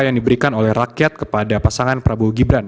yang diberikan oleh rakyat kepada pasangan prabowo gibran